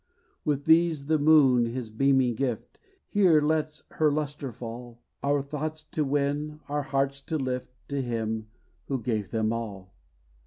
With these the moon, his beaming gift, Here lets her lustre fall, Our thoughts to win, our hearts to lift To him, who gave them all.